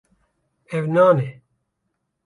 Ev nan e.